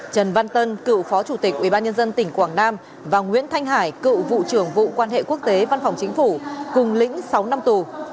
trần văn tân cựu phó chủ tịch ubnd tỉnh quảng nam và nguyễn thanh hải cựu vụ trưởng vụ quan hệ quốc tế văn phòng chính phủ cùng lĩnh sáu năm tù